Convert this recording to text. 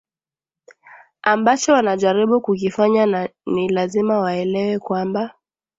anmbacho wanajaribu kukifanya na ni lazima waelewe kwamba